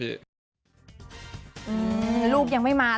เดี๋ยวลูกยังไม่มา